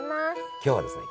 今日はですね